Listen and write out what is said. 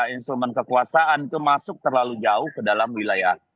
instrumen kekuasaan itu masuk terlalu jauh ke dalam wilayah